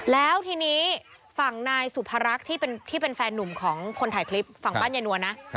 แล้วทีนี้ฝั่งนายสุภารักษ์ที่เป็นแฟนหนุ่มของคนถ่ายคลิปฝั่งบ้านยายนวลนะ